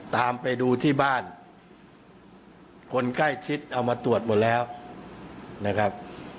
ตามไปดูที่บ้านคนใกล้ชิดเอามาตรวจหมดแล้วนะครับ